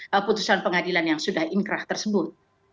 keputusan pengadilan yang sudah inkrah tersebut